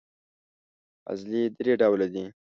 عضلې درې ډوله دي.